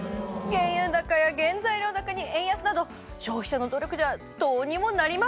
原油高や原材料高に円安など消費者の努力ではどうにもなりません。